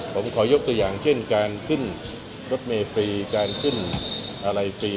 ผมขอยกตัวอย่างเช่นการขึ้นรถเมฟรีการขึ้นอะไรฟรี